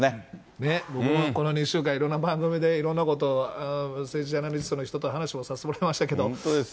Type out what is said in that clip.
ねっ、僕もこの２週間、いろんな番組でいろんなことを政治ジャーナリストの人と話をさせ本当ですよ。